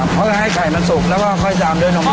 เพื่อให้ไข่มันสุกแล้วก็ค่อยตามด้วยนมมะม่า